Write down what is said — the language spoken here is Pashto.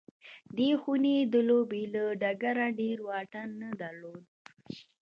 دې خونې د لوبې له ډګره ډېر واټن نه درلود